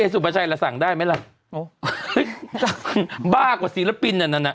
เฮ้สุบัชัยสั่งได้ไหมล่ะบ้ากว่าศิลปินอันนั้น